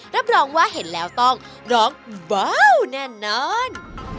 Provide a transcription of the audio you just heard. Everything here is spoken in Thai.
รับรองว่าเห็นแล้วต้องร้องว้าวแน่นอน